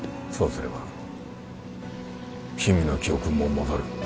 そうすれば君の記憶も戻る